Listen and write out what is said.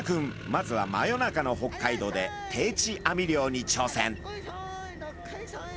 まずは真夜中の北海道で定置網漁にちょうせん。